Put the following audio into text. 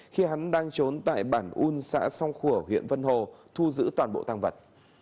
khi hắn đang trốn tại bản un xã song khổ huyện vân hồ thu giữ toàn bộ tàng vật